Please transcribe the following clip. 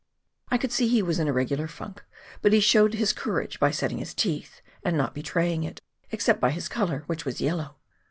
I could see he was in a regular " funk," but he showed his courage by setting his teeth and not betraying it — except by his colour, which was yellow